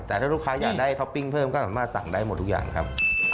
แต่ถ้าลูกค้าอยากได้ท็อปปิ้งเพิ่มก็สามารถสั่งได้หมดทุกอย่างครับ